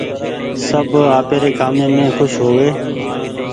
سب آپيري ڪآمي مين کوش هووي۔